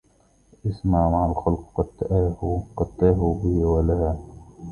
اسم مع الخلق قد تاهوا به ولها